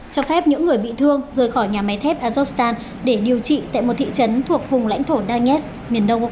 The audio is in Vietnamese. cho phép những người bị thương rời khỏi nhà máy thép azovstan để điều trị tại một thị trấn thuộc vùng lãnh thổ donetsk miền đông ukraine